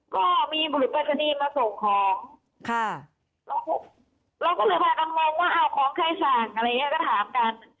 ก็มีผลิตประชานีมาส่งของเราก็เลยไปกำลังว่าเอาของใครสั่งอะไรอย่างนี้ก็ถามกัน